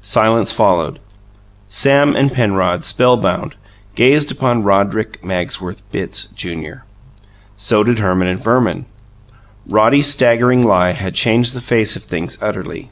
Silence followed. Sam and Penrod, spellbound, gazed upon Roderick Magsworth Bitts, Junior. So did Herman and Verman. Roddy's staggering lie had changed the face of things utterly.